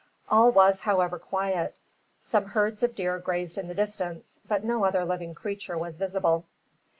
All was, however, quiet. Some herds of deer grazed in the distance, but no other living creature was visible.